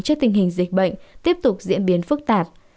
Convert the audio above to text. trước tình hình dịch bệnh tiếp tục diễn biến phức tạp